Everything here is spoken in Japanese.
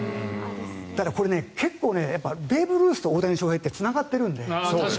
だからこれ、結構ベーブ・ルースと大谷翔平ってつながってるので。